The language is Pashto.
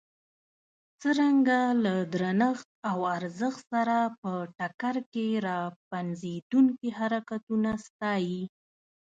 څرنګه له درنښت او ارزښت سره په ټکر کې را پنځېدونکي حرکتونه ستایي.